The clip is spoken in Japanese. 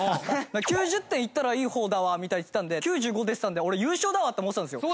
「９０点いったらいい方だわ」みたいに言ってたんで９５出てたんで俺優勝だわって思ってたんですよ。